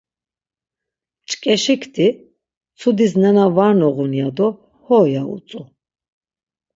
Mç̌ǩeşikti, Mtsudis nena var noğun ya do ho ya utzu.